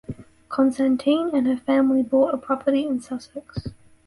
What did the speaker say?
Constantine and her family bought a property in Sussex.